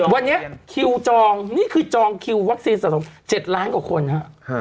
วันนี้คิวจองนี่คือจองคิววัคซีนสะสม๗ล้านกว่าคนฮะ